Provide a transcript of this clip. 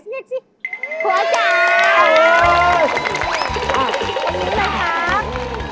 จริงี่ล่ะครับ